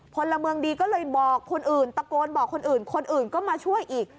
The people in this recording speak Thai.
พลเมืองดีก็เลยบอกคนอื่นตะโกนบอกคนอื่นคนอื่นก็มาช่วยอีก